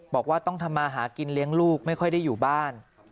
บอกว่าต้องทำมาหากินเลี้ยงลูกไม่ค่อยได้อยู่บ้าน